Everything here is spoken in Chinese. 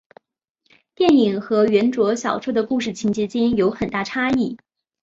电影和原着小说的故事情节间有很大差异。